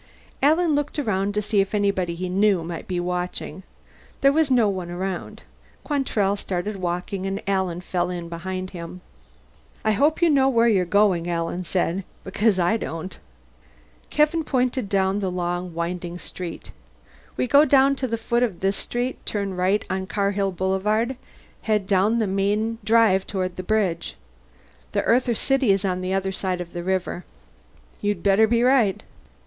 Alan looked around to see if anybody he knew might be watching. There was no one around. Quantrell started walking, and Alan fell in behind him. "I hope you know where you're going," Alan said. "Because I don't." Kevin pointed down the long winding street. "We go down to the foot of this street, turn right into Carhill Boulevard, head down the main drive toward the bridge. The Earther city is on the other side of the river." "You better be right."